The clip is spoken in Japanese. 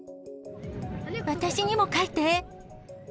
私にも書いて。